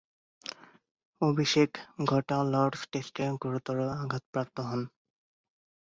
অভিষেক ঘটা লর্ডস টেস্টে গুরুতর আঘাতপ্রাপ্ত হন।